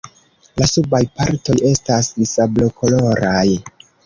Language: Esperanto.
La subaj partoj estas sablokoloraj.